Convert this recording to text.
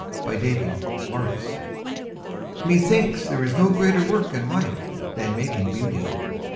BEAUTY MAKING Methinks there is no greater work in life Than making beauty.